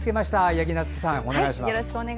八木菜月さん、お願いします。